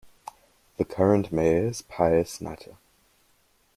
The current mayor is Pius Natter.